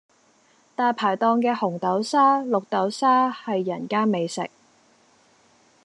大排檔嘅紅豆沙、綠豆沙係人間美食